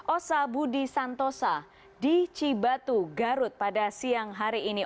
osa budi santosa di cibatu garut pada siang hari ini